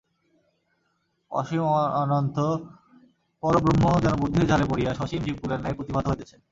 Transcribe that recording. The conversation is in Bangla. অসীম অনন্ত পরব্রহ্ম যেন বুদ্ধির জালে পড়িয়া সসীম জীবকুলের ন্যায় প্রতিভাত হইতেছেন।